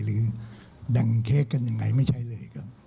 หรือแด่งเค้กกันอย่างไรไม่ใช่เลยครับ